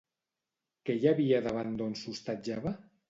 Què hi havia davant d'on s'hostatjava?